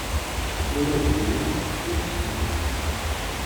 Ula d yiwen ur tt-yefhim.